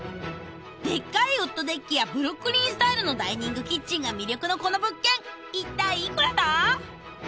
デッカいウッドデッキやブルックリンスタイルのダイニングキッチンが魅力のこの物件一体幾らだ？